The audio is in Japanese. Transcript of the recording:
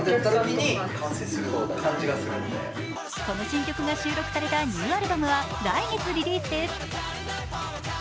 この新曲が収録されたニューアルバムは来月リリースです。